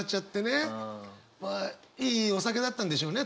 まあいいお酒だったんでしょうね